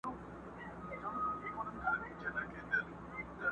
د مظلوم چیغي چا نه سوای اورېدلای.!